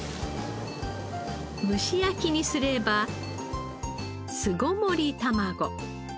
蒸し焼きにすれば巣ごもり卵。